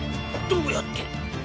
どうやって？